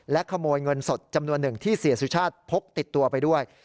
ขโมยเงินสดจำนวนหนึ่งที่เสียสุชาติพกติดตัวไปด้วย